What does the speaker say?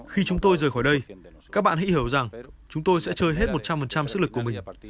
khi chúng tôi rời khỏi đây các bạn hãy hiểu rằng chúng tôi sẽ chơi hết một trăm linh sức lực của mình